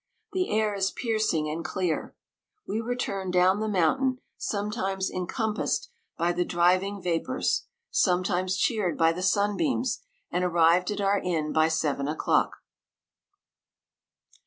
The air is piercing and clear. We returned down the moun tain, sometimes encompassed by the 168 driving vapours, sometimes cheered by the sunbeamsj and arrived at our inn by seven o'clock.